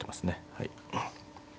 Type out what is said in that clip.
はい。